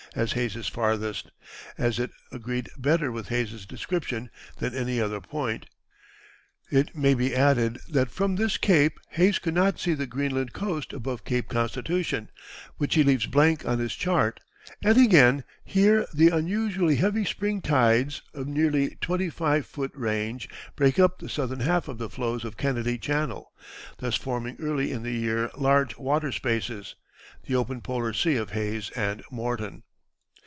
as Hayes's "farthest," as it agreed better with Hayes's description than any other point; it may be added that from this cape Hayes could not see the Greenland coast above Cape Constitution, which he leaves blank on his chart, and again, here the unusually heavy spring tides, of nearly twenty five foot range, break up the southern half of the floes of Kennedy Channel, thus forming early in the year large water spaces the Open Polar Sea of Hayes and Morton.